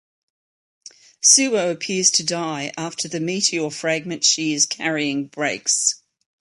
Suo appears to die after the meteor fragment she is carrying breaks.